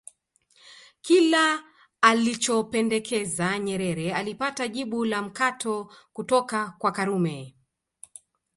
Kila alichopendekeza Nyerere alipata jibu la mkato kutoka kwa Karume